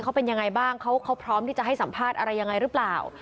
เขาเป็นยังไงบ้างเขาพร้อมที่จะให้สัมภาษณ์อะไรยังไงหรือเปล่า